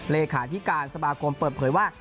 เลขาธิการสมาคมเปิดเผยว่า